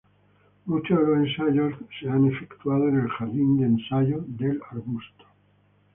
Mucho de los ensayos se han efectuado en el jardín de ensayo del arbusto.